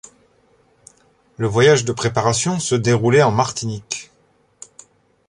Le voyage de préparation se déroulait en Martinique.